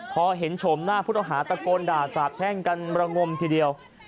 พอเห็นโฉมหน้าผู้ต้องหาตะโกนด่าสาบแช่งกันระงมทีเดียว